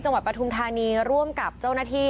จังหวัดปทุมธานีร่วมกับเจ้าหน้าที่